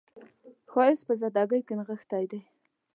ښایست په سادګۍ کې نغښتی دی